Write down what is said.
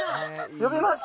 呼びました？